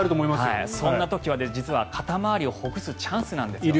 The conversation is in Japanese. そんな時は実は肩回りをほぐすチャンスなんです。